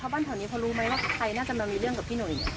ไม่มีใครอยากยุ่งหรอก